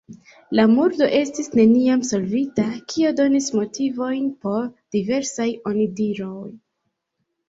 La murdo estis neniam solvita, kio donis motivojn por diversaj onidiroj.